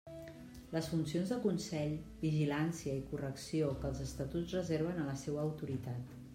Les funcions de consell, vigilància i correcció que els Estatuts reserven a la seua autoritat.